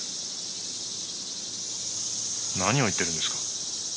何を言ってるんですか？